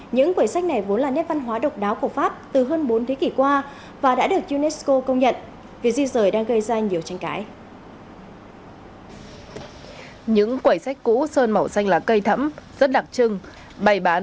những quầy sách này vốn là nét văn hóa độc đáo của pháp từ hơn bốn thế kỷ qua và đã được unesco công nhận